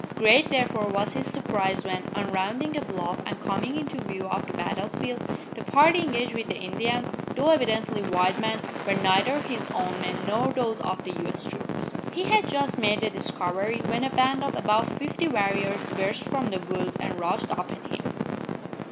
Great, therefore, was his surprise when, on rounding a bluff and coming into view of the battle field, the party engaged with the Indians, though evidently white men, were neither his own men nor those of the US troops. He had just made the discovery, when a band of about fifty warriors burst from the woods and rushed upon him.